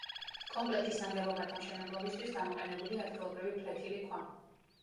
კომპლექსის ნაგებობათა მშენებლობისთვის გამოყენებულია ადგილობრივი ფლეთილი ქვა.